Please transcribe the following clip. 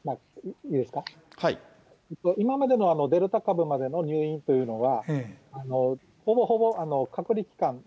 今までのデルタ株までの入院というのは、ほぼほぼ隔離期間